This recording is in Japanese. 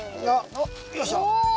おいしょ！